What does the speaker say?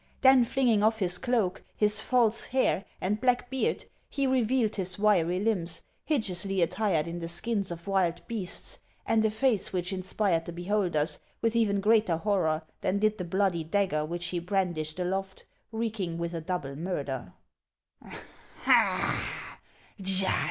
Then flinging off his cloak, his false hair, and black beard, he revealed his wiry limbs, hideously attired in the skins of wild beasts, and a face which inspired the beholders with even greater horror than did the bloody dagger which he brandished aloft, reeking with a double murder. " Ha